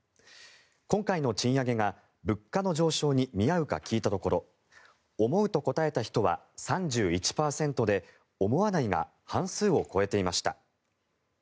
今回の賃上げが物価の上昇に見合うか聞いたところ思うと答えた人は３１％で思わないが半数を超えていました。